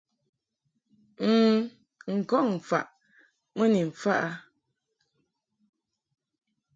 N̂ n-kɔŋ faʼ mɨ ni mfaʼ a.